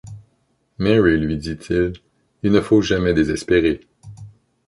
Mary, lui dit-il, il ne faut jamais désespérer.